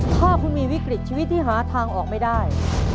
ถ้าคุณมีวิกฤตชีวิตที่หาทางออกไม่ได้